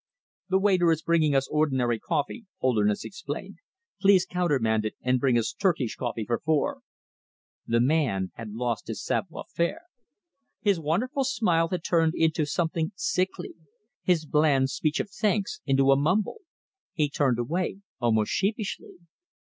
"The waiter is bringing us ordinary coffee," Holderness explained. "Please countermand it and bring us Turkish coffee for four." The man had lost his savoir faire. His wonderful smile had turned into something sickly, his bland speech of thanks into a mumble. He turned away almost sheepishly.